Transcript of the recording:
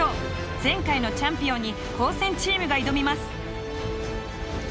前回のチャンピオンに高専チームが挑みます。